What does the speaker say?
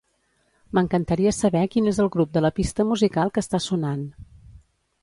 M'encantaria saber quin és el grup de la pista musical que està sonant.